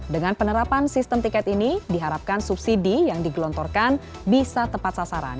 dengan penerapan sistem tiket ini diharapkan subsidi yang digelontorkan bisa tepat sasaran